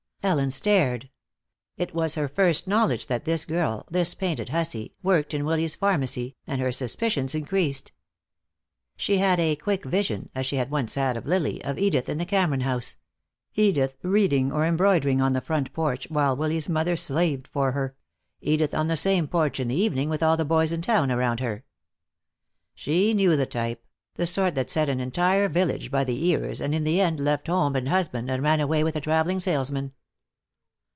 Ellen stared. It was her first knowledge that this girl, this painted hussy, worked in Willy's pharmacy, and her suspicions increased. She had a quick vision, as she had once had of Lily, of Edith in the Cameron house; Edith reading or embroidering on the front porch while Willy's mother slaved for her; Edith on the same porch in the evening, with all the boys in town around her. She knew the type, the sort that set an entire village by the ears and in the end left home and husband and ran away with a traveling salesman.